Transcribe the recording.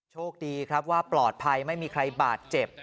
โชคดีครับว่าปลอดภัยไม่มีใครบาดเจ็บ